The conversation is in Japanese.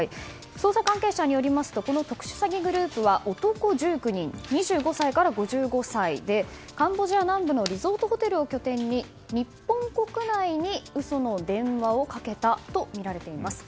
捜査関係者によりますとこの特殊詐欺グループは男１９人、２５歳から５５歳でカンボジア南部のリゾートホテルを拠点に日本国内に嘘の電話をかけたとみられています。